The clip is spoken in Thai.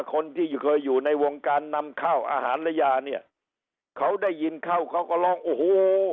คนที่เคยอยู่ในวงการนำข้าวอาหารและยาเนี่ยเขาได้ยินเข้าเขาก็ร้องโอ้โห